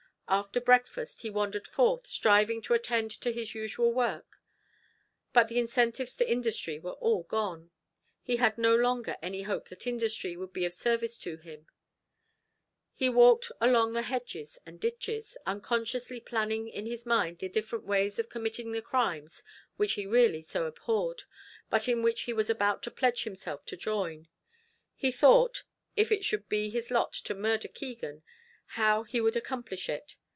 After breakfast he wandered forth, striving to attend to his usual work, but the incentives to industry were all gone; he had no longer any hope that industry would be of service to him; he walked along the hedges and ditches, unconsciously planning in his mind the different ways of committing the crimes which he really so abhorred, but in which he was about to pledge himself to join. He thought, if it should be his lot to murder Keegan, how he would accomplish it.